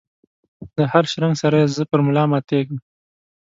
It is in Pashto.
دهر شرنګ سره یې زه پر ملا ماتیږم